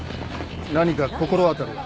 何か心当たりは？